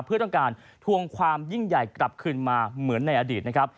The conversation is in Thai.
เพื่อต้องการทวงความยิ่งใหญ่กลับคืนมาเหมือนในอดีตนะครับ